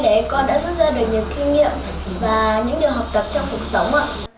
để con đã rút ra được nhiều kinh nghiệm và những điều học tập trong cuộc sống ạ